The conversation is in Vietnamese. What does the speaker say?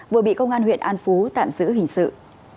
vừa bị công an huyện an phú tạm giữ hình sự